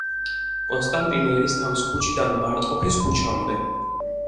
კონსტანტინე ერისთავის ქუჩიდან მარტყოფის ქუჩამდე.